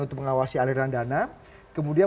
untuk mengawasi aliran dana kemudian